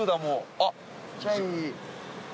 あっ！